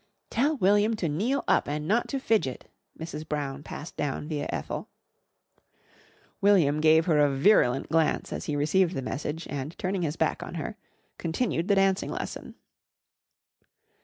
"Tell William to kneel up and not to fidget," Mrs. Brown passed down via Ethel. William gave her a virulent glance as he received the message and, turning his back on her, continued the dancing lesson.